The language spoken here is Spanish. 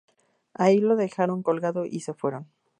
Ahí lo dejaron colgado y se fueron.